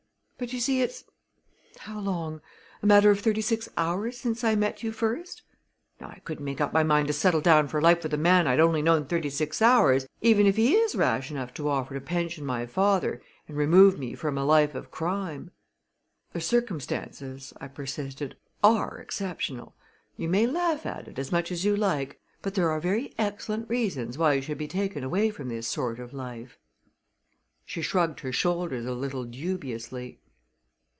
But, you see, it's how long? a matter of thirty six hours since I met you first! Now I couldn't make up my mind to settle down for life with a man I'd only known thirty six hours, even if he is rash enough to offer to pension my father and remove me from a life of crime." "The circumstances," I persisted, "are exceptional. You may laugh at it as much as you like; but there are very excellent reasons why you should be taken away from this sort of life." She shrugged her shoulders a little dubiously.